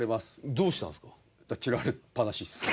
どうしたんですか？